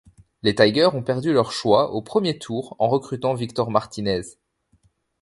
Les Tigers ont perdu leur choix au premier tour en recrutant Víctor Martínez.